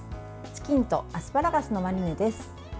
チキンとアスパラガスのマリネです。